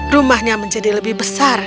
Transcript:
rumahnya menjadi lebih besar